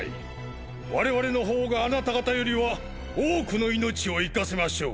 我々の方があなた方よりは多くの命を生かせましょう。